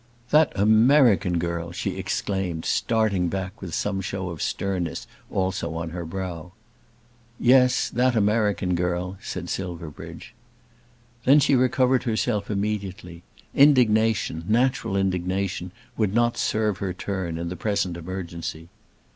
"That American girl!" she exclaimed, starting back, with some show of sternness also on her brow. "Yes; that American girl," said Silverbridge. Then she recovered herself immediately. Indignation, natural indignation, would not serve her turn in the present emergency.